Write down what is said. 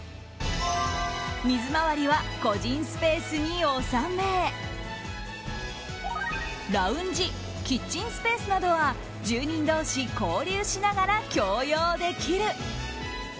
水回りは個人スペースに収めラウンジ・キッチンスペースなどは住人同士交流しながら共用できる。